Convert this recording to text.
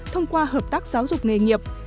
thông qua hợp tác giáo dục nghề nghiệp